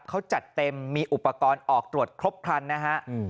เขาจัดเต็มมีอุปกรณ์ออกตรวจครบครันนะฮะ